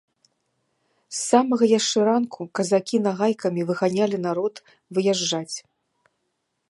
З самага яшчэ ранку казакі нагайкамі выганялі народ выязджаць.